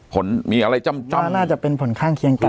ผลมีอะไรจ้ำน่าจะเป็นผลข้างเคียงกัน